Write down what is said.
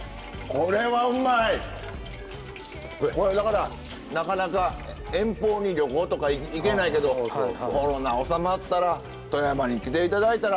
これだからなかなか遠方に旅行とか行けないけどコロナ収まったら富山に来て頂いたら。